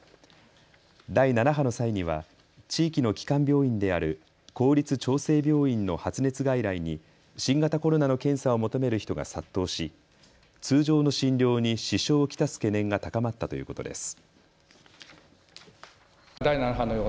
第７波の際には地域の基幹病院である公立長生病院の発熱外来に新型コロナの検査を求める人が殺到し通常の診療に支障を来す懸念が高まったということです。